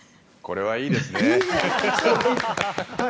これはいいですね。